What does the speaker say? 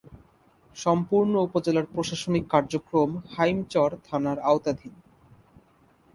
সম্পূর্ণ উপজেলার প্রশাসনিক কার্যক্রম হাইমচর থানার আওতাধীন।